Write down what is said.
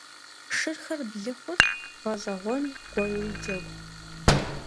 Шырхэр блы хъурт, гъэщӀэгъуэн гуэрури джэгурт.